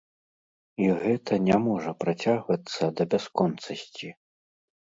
І гэта не можа працягвацца да бясконцасці.